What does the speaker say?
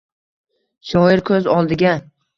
Shoir ko’z oldiga